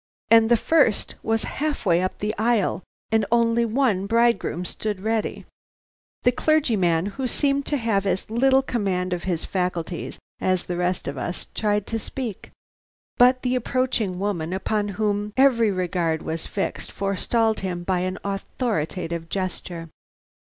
and the first was half way up the aisle, and only one bridegroom stood ready! The clergyman, who seemed to have as little command of his faculties as the rest of us, tried to speak; but the approaching woman, upon whom every regard was fixed, forestalled him by an authoritative gesture.